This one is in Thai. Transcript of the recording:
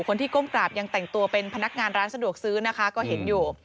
คนที่ก้มกราบยังแต่งตัวเป็นพนักงานร้านสะดวกซื้อนะคะก็เห็นอยู่